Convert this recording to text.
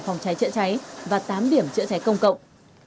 phòng cháy chữa cháy và tám điểm chữa cháy công cộng